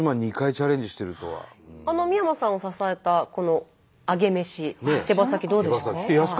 三山さんを支えたこのアゲメシ手羽先どうですか？